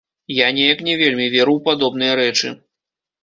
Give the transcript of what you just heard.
Я неяк не вельмі веру ў падобныя рэчы.